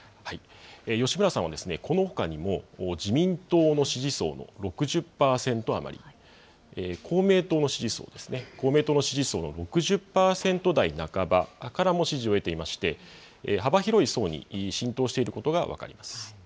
吉村さんはこのほかにも、自民党の支持層の６０％余り、公明党の支持層ですね、公明党の支持層の６０％台半ばからも支持を得ていまして、幅広い層に浸透していることが分かります。